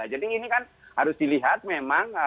jadi ini kan harus dilihat memang